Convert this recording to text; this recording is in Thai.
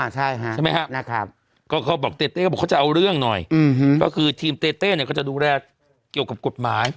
ใช่ไหมครับนะครับก็เขาบอกเต้เต้ก็บอกเขาจะเอาเรื่องหน่อยก็คือทีมเต้เต้เนี่ยก็จะดูแลเกี่ยวกับกฎหมาย